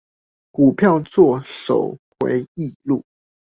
股票作手回憶錄